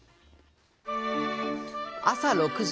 朝６時。